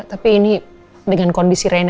tapi ini dengan kondisi rene